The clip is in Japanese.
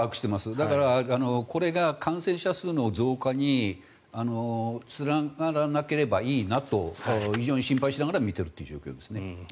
だから、これが感染者数の増加につながらなければいいなと非常に心配しながら見ているという状況ですね。